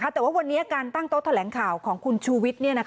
แต่ว่าวันนี้การตั้งโต๊ะแถลงข่าวของคุณชูวิทย์